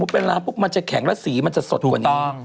เพราะโยกโยกถ้าจะเป็นล่ามันจะแข็งและสีจะสดกว่านี้